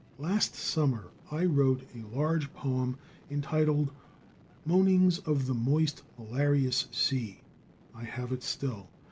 Last summer I wrote a large poem entitled, "Moanings of the Moist, Malarious Sea." I have it still.